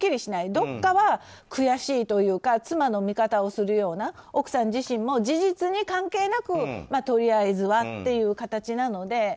どこかは悔しいというか妻の味方をするような奥さん自身も事実に関係なくとりあえずはという形なので。